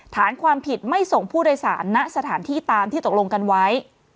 ฐานความผิดไม่ส่งผู้โดยสารณสถานที่ตามที่ตกลงกันไว้